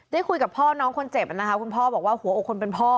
ได้คุยกับพ่อน้องคนเจ็บนะคะคุณพ่อบอกว่าหัวอกคนเป็นพ่อ